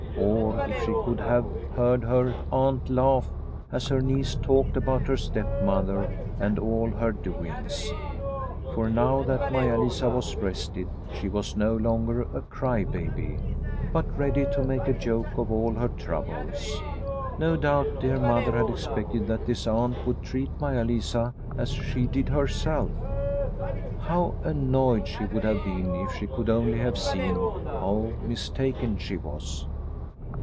Or if she could have heard her aunt laugh as her niece talked about her stepmother and all her doings ! For now that Maia Lisa was rested she was no longer 143 144 Liliecrona's Home a cry baby, but ready to make a joke of all her troubles. No doubt dear Mother had expected that this aunt would treat Maia Lisa as she did herself. How annoyed she would have been if she could only have seen how mistaken she was.